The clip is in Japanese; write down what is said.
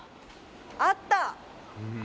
あった？